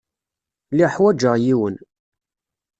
Lliɣ ḥwajeɣ yiwen.